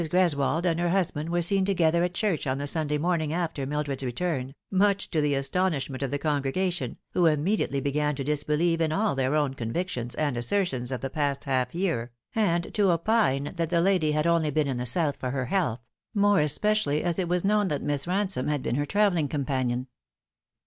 Greswold and her husband were seen together at church on the Sunday morning after Mildred's return, much to the astonishment of the congregation, who immediately began to disbelieve in all their own convictions and assertions of the past half year, and to opine that the lady had only been i?i the South for her health, more especially as it was known that Miss Ransome had been her travelling companion.